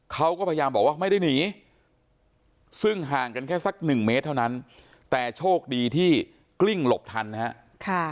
เขาก็พยายามบอกว่าไม่ได้หนีซึ่งห่างกันแค่สักหนึ่งเมตรเท่านั้นแต่โชคดีที่กลิ้งหลบทันนะครับ